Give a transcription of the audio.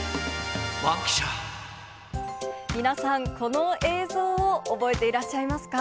皆さん、この映像を覚えていらっしゃいますか？